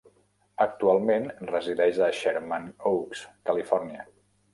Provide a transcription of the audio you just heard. Actualment resideix a Sherman Oaks, Califòrnia.